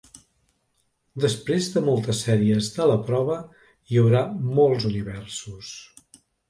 Després de moltes sèries de la prova, hi haurà molts universos.